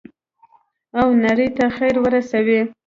او نړۍ ته خیر ورسوي.